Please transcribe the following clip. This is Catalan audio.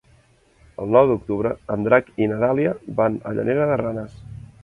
El nou d'octubre en Drac i na Dàlia van a Llanera de Ranes.